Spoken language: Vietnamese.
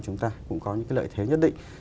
chúng ta cũng có những lợi thế nhất định